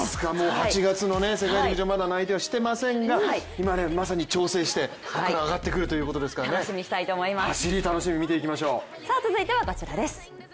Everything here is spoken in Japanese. ８月の世界陸上、まだ内定はしていませんが、今まさに調整して、ここから上がってくるということですから、走り、楽しみに見ていきましょう。